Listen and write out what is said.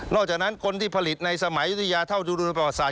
นอกจากนั้นคนที่ผลิตในสมัยอยุธยาเท่าดูดูกระปราสาท